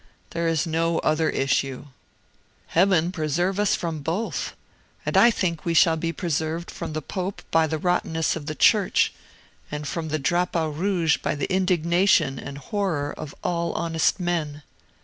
There is no other issue." "Heaven preserve us from both! And I think we shall be preserved from the Pope by the rottenness of the Church; from the drapeau rouge by the indignation and horror of all honest men.